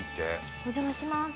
お邪魔します。